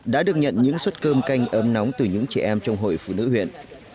đã được nhận những suất cơm canh ấm nóng từ những trẻ em trong hội phụ nữ huyện